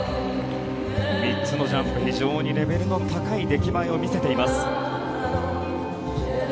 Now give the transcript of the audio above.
３つのジャンプ非常にレベルの高い出来栄えを見せています。